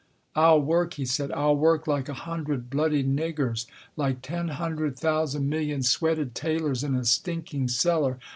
" I'll work/' he said. " I'll work like a hundred bloody niggers. Like ten hundred thousand million sweated tailors in a stinking cellar.